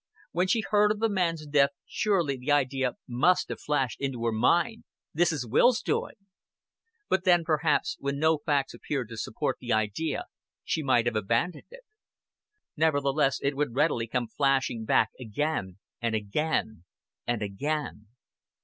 When she heard of the man's death, surely the idea must have flashed into her mind: "This is Will's doing." But then perhaps, when no facts appeared to support the idea, she might have abandoned it. Nevertheless it would readily come flashing back again and again, and again.